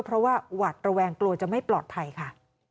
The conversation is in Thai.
เพราะว่าหวัดระแวงกลัวจะไม่ปลอดภัยค่ะ